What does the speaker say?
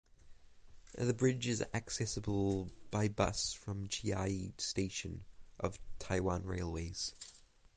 The bridge is accessible by bus from Chiayi Station of Taiwan Railways.